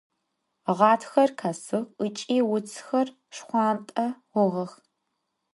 Ğatxer khesığ, ıç'i vutsxer şşxhuant'e xhuğex.